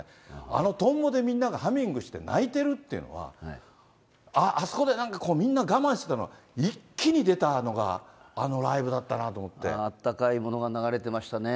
あのとんぼでみんながハミングして泣いてるっていうのは、あそこでみんな、我慢してたのが一気に出たのが、あのライブだっあったかいものが流れてましたね。